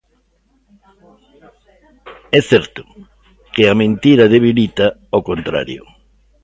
É certo, que a mentira debilita ó contrario.